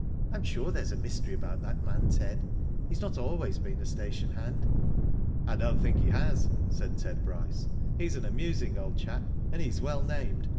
Fm sure there's a mystery about that man, Ted. He has not always been a station hand." '* I don't think he has," said Ted Bryce. '* He's an amusing old chap, and he's well named.